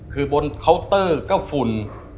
คือบนเคาน์เตอร์ก็ฝุ่น